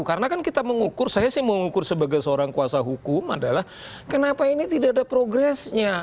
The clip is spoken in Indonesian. karena kan kita mengukur saya sih mengukur sebagai seorang kuasa hukum adalah kenapa ini tidak ada progresnya